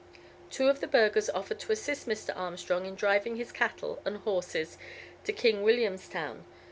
Two of the burghers offered to assist Mr. Armstrong in driving his cattle and horses to King Williamstown.